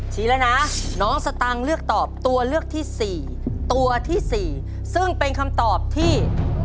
แล้วนะน้องสตังค์เลือกตอบตัวเลือกที่สี่ตัวที่๔ซึ่งเป็นคำตอบที่